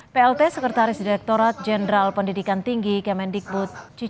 plt sekretaris direkturat jenderal pendidikan tinggi kemendikbud